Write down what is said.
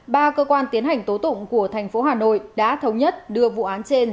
ba cơ quan tiến hành tố tụng của thành phố hà nội đã thống nhất đưa vụ án trên